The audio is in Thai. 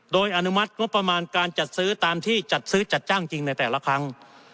โดยอนุมัติงบประมาณการจัดซื้อตามที่จัดซื้อจัดจ้างจริงในแต่ละครั้ง